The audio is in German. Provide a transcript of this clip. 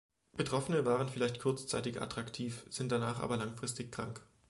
Betroffene waren vielleicht kurzzeitig attraktiv, sind danach aber langfristig krank.